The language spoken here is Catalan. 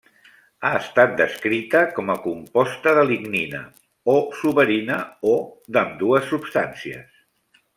Ha estat descrita com a composta de lignina o suberina o d'ambdues substàncies.